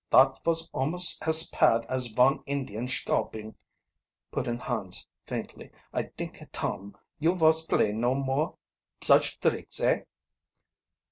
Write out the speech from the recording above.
"Dot vos almost as pad as von Indian's schalping," put in Hans faintly. "I dink, Tom, you vos play no more such dricks, hey?"